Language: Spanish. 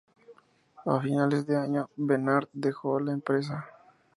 A finales de año, Bernard dejó la empresa.